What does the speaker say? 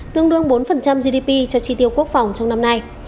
tương đương bốn gdp cho chi tiêu quốc phòng trong năm nay